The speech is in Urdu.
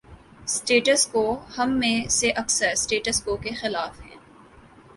’سٹیٹس کو‘ ہم میں سے اکثر 'سٹیٹس کو‘ کے خلاف ہیں۔